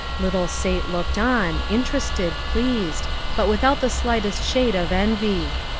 Little Sate looked on, interested, pleased, but without the slightest shade of envy.